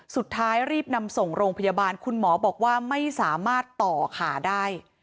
สุดท้ายรีบนำส่งโรงพยาบาลคุณหมอบอกว่าไม่สามารถต่อขาได้